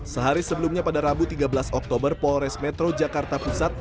sehari sebelumnya pada rabu tiga belas oktober polres metro jakarta pusat